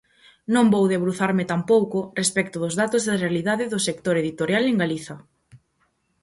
Non vou debruzarme tampouco respecto dos datos da realidade do sector editorial en Galiza.